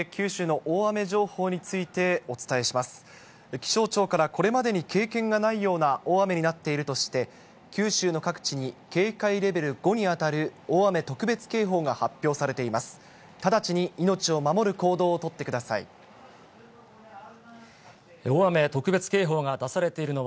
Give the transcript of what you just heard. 気象庁からこれまでに経験がないような大雨になっているとして、九州の各地に警戒レベル５に当たる大雨特別警報が発表されています。